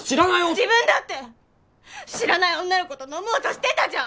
自分だって知らない女の子と飲もうとしてたじゃん！